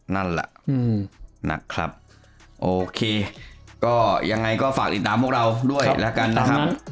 นั่นแหละนะครับโอเคก็ยังไงก็ฝากติดตามพวกเราด้วยแล้วกันนะครับ